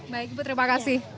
baik ibu terima kasih